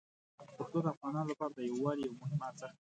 پښتو د افغانانو لپاره د یووالي یو مهم ارزښت دی.